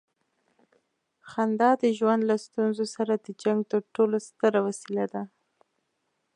خندا د ژوند له ستونزو سره د جنګ تر ټولو ستره وسیله ده.